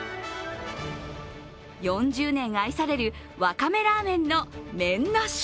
４０年愛されるわかめラーメンの麺なし